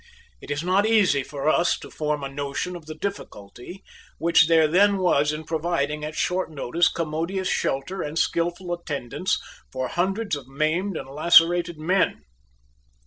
It is not easy for us to form a notion of the difficulty which there then was in providing at short notice commodious shelter and skilful attendance for hundreds of maimed and lacerated men.